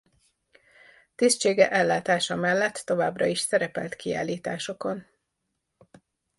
Tisztsége ellátása mellett továbbra is szerepelt kiállításokon.